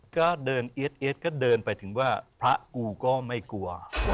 ก็เดินเอี๊ยดก็เดินไปถึงว่าพระกูก็ไม่กลัว